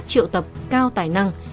triệu tập cao tài năng